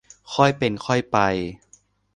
ค่อยเป็นค่อยไป